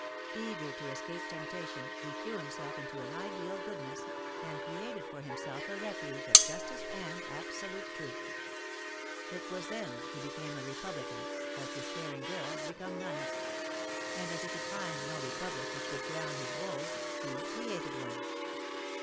Eager to escape temptation, he threw himself into an ideal goodness, and created for 66 THE MARKETS OF PARIS. himself a refuge of justice and absolute truth. It was then he became a Republican, as despairing girls become nuns —■ and as he could find no Republic which would drown his woes, he created one.